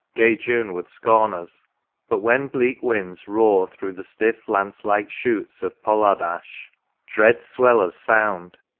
Gay June would scorn us ;— but when bleak winds roar Through the stiff lance like shoots of pollard ash, Dread swell of sound